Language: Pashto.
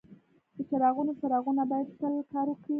د چراغونو څراغونه باید تل کار وکړي.